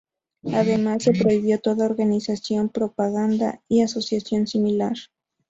Además, se prohibió toda organización, propaganda y asociación similar.